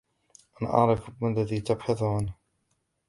أنا أعرف ما الذي تبحث عنهُ.